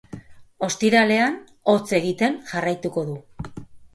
Ostiralean hotz egiten jarraituko du.